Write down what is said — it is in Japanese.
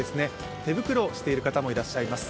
手袋をしている方もいらっしゃいます。